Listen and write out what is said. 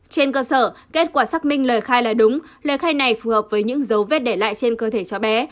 trên cơ sở kết quả xác minh lời khai là đúng lời khai này phù hợp với những dấu vết để lại trên cơ thể cho bé